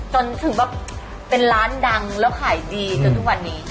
จนถึงแบบเป็นร้านดังแล้วขายดีจนทุกวันนี้